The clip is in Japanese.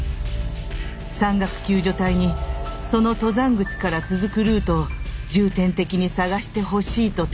山岳救助隊にその登山口から続くルートを重点的に捜してほしいと頼みました。